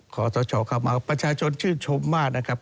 ขอสวัสดีความว่าประชาชนชื่นชมมากนะครับ